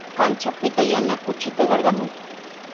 Kanchapita yana kuchita qarqamuy.